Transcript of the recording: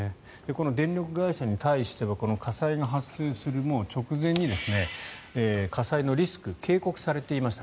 電力会社に対しては火災が発生する直前に火災のリスクが警告されていました。